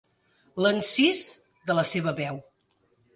L'encís de la seva veu.